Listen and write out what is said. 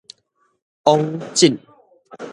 往診